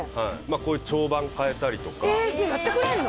こういう蝶番かえたりとかええやってくれんの？